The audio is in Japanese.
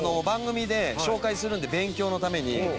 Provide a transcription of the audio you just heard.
番組で紹介するんで勉強のために。